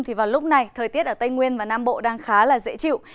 thì vào lúc này thời tiết ở tây nguyên và nam bộ đang khá là dễ chịu